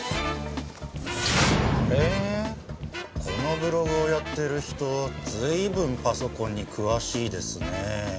このブログをやってる人随分パソコンに詳しいですね。